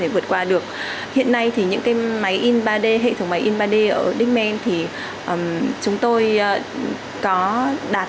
để vượt qua được hiện nay thì những cái máy in ba d hệ thống máy in ba d ở dikmen thì chúng tôi có đạt